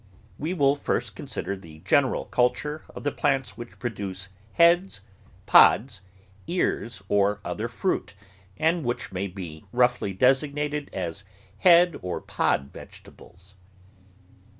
We will first consider the general culture of the plants which produce heads, pods, ears, or other fruit, and which may be roughly designated as head or pod vegetables.